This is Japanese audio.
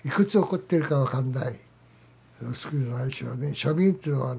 庶民っていうのはね